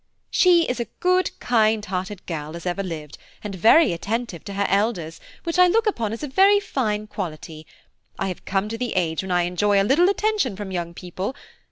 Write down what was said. "She is a good, kind hearted girl as ever lived, and very attentive to her elders, which I look upon as a very fine quality. I have come to the age when I enjoy a little attention from young people.